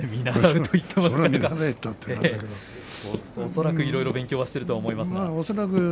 恐らくいろいろ勉強していると思います。